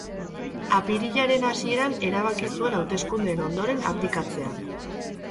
Apirilaren hasieran erabaki zuen hauteskundeen ondoren abdikatzea.